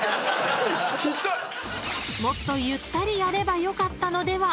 ［もっとゆったりやればよかったのでは？］